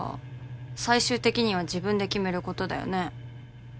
最終的には自分で決めることだよね。